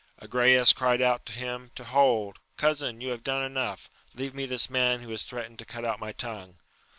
Agrayes cried out to him to hold :— ^Cousin, you have done enough, leave me this man who has threatened to cut out my tongue.